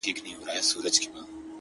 چي بیا به څه ډول حالت وي؛ د ملنگ؛